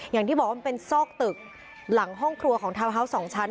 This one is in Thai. อย่างที่บอกว่ามันเป็นซอกตึกหลังห้องครัวของทาวน์ฮาวส์๒ชั้น